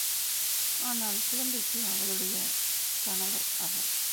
ஆனால் குழந்தைக்கு அவளுடைய கணவர் அவர்.